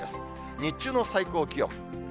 日中の最高気温。